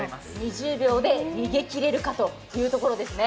２０秒で逃げきれるかといったところですね。